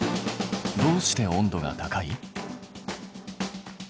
どうして温度が高い？